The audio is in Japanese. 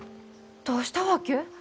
どうしたわけ？